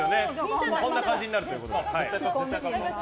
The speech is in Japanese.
こんな感じになるということで。